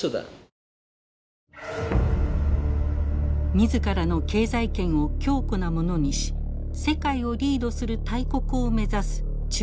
自らの経済圏を強固なものにし世界をリードする大国を目指す中国。